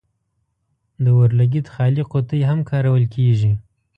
د اور لګیت خالي قطۍ هم کارول کیږي.